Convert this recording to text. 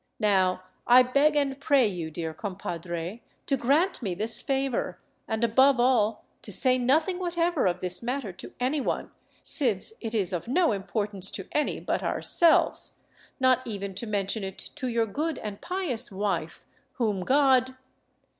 ... Now I beg and pray you, dear compadre, to grant me this favor, and above all to say nothing whatever of this matter to anyone, since it is of no. importance to any but ourselves, not even to mention it to your good and pious wife, whom God